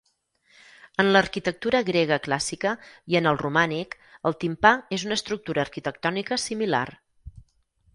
En l'arquitectura grega clàssica i en el romànic, el timpà és una estructura arquitectònica similar.